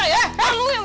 kamu yang bakalan cilaka